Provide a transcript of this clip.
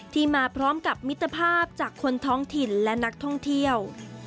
ที่มาพร้อมกับมิตรภาพจากคนท้องถิ่นและนักท่องเที่ยว